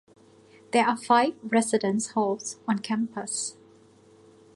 There are five residence halls on campus.